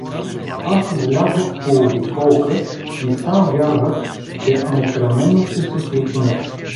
Аз излязох по обиколка и сам вярвах, че непременно ще се случи нещо.